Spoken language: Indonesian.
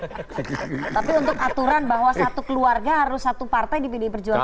tapi untuk aturan bahwa satu keluarga harus satu partai di pdi perjuangan